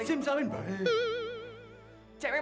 sim salim baik